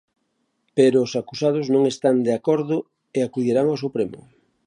Pero os acusados non están de acordo e acudirán ao Supremo.